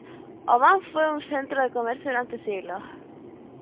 Omán fue un centro de comercio durante siglos.